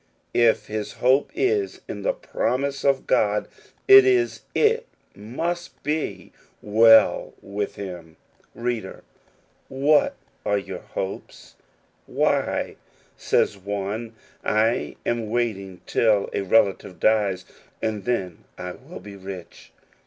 If his hope is in the promise of God, it is, it must be, well with him. Reader, what are your hopes ?" Why,*' says one, " I am waiting till a relative dies, and then I shall be rich.